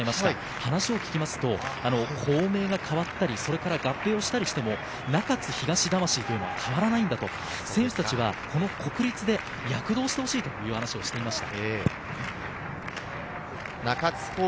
話を聞くと校名が変わったり合併したりしても中津東魂は変わらないんだと、選手達はこの国立で躍動してほしいと話していました。